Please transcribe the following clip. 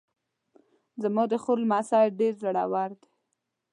زما د خور لمسی ډېر زړور ده